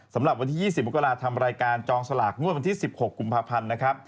สำหรับวันที่๒๐มกราคมทำรายการจองสลากงวดวันที่๑๖กุมภาพันธุ์